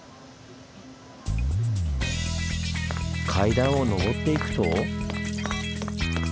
階段を上っていくと。